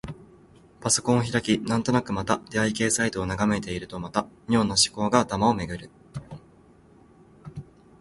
パソコンを開き、なんとなくまた出会い系サイトを眺めているとまた、妙な思考が頭をめぐる。